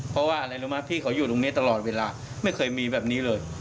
เพราะว่าอะไรรู้ไหมพี่เขาอยู่ตรงนี้ตลอดเวลาไม่เคยมีแบบนี้เลย